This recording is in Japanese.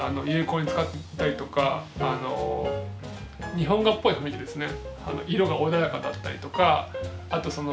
日本画っぽい雰囲気ですね。